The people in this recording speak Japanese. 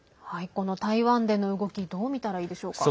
この台湾での動きどう見たらいいでしょうか？